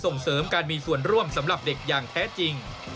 ส่งเสริมการมีส่วนร่วมสำหรับเด็กอย่างแท้จริง